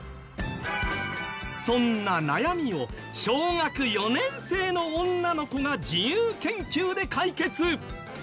そんな悩みを小学４年生の女の子が自由研究で解決！